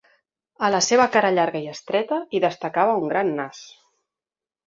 A la seva cara llarga i estreta, hi destacava un gran nas.